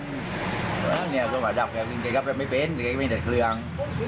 ตรงนั้นเนี่ยเค้ามาดับแกว่าเค้าก็ไม่เป็นเค้าก็ไม่ได้เคลือง